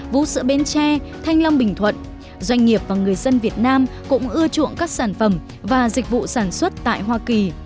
vũ sữa bến tre thanh long bình thuận doanh nghiệp và người dân việt nam cũng ưa chuộng các sản phẩm và dịch vụ sản xuất tại hoa kỳ